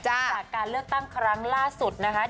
จากการเลือกตั้งครั้งล่าสุดนะคะ